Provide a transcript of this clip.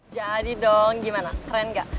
jadi dong gimana keren nggak